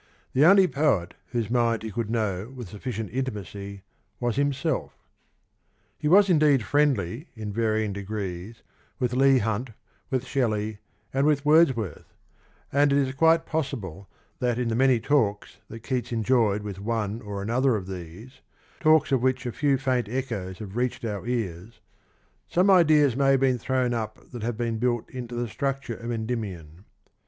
The only poet whose mind he could know with sufficient intimacy was himself. He was indeed friendly in varying degrees with Leigh Hunt, with Shelley and with Wordsworth, and it is quite possible that in the many talks that Keats enjoyed with one or another of these— talks of which a few faint echoes have reached our ears — some ideas may have been thrown up that have been built into the structure of Endymion.